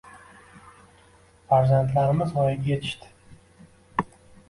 Farzandlarimiz voyaga etishdi